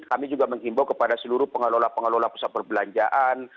kami juga menghimbau kepada seluruh pengelola pengelola pusat perbelanjaan